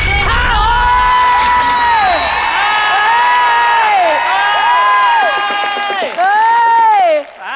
โอ้โฮ